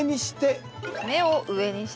芽を上にして。